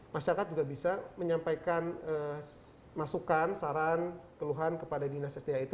masyarakat juga bisa menyampaikan masukan saran keluhan kepada dinas sda itu